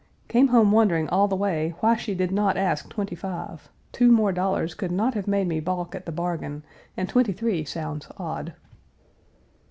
Came home wondering all the way why she did not ask twenty five; two more dollars could not have made me balk at the bargain, and twenty three sounds odd.